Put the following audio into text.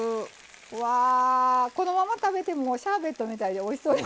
うわこのまま食べてもシャーベットみたいでおいしそう。